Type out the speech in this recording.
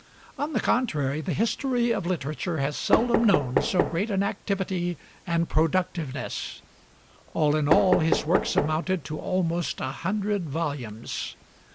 On the contrary, the history of literature has seldom known so great an activity and productiveness; all in all, his works amounted to almost a hundred volumes.